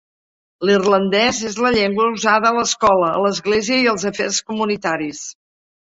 L'irlandès és la llengua usada a l'escola, a l'església i als afers comunitaris.